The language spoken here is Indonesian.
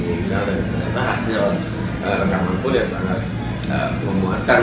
ternyata hasil merekamannya sangat memuaskan